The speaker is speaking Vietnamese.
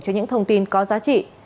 cho những thông tin có giá trị